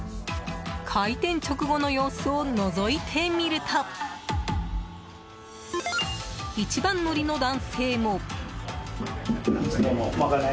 開店直後の様子をのぞいてみると一番乗りの男性も。